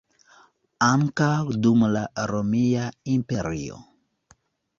Ankaŭ dum la Romia Imperio.